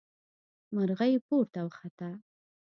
مرغۍ پورته وخته.